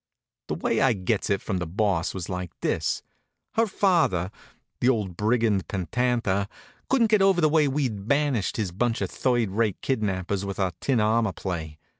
The way I gets it from the Boss was like this: Her father, the old brigand pantanta, couldn't get over the way we'd bansheed his bunch of third rate kidnappers with our tin armor play.